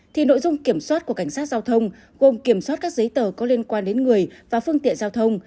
thì nội dung kiểm soát của cảnh sát giao thông gồm kiểm soát các giấy tờ có liên quan đến người và phương tiện giao thông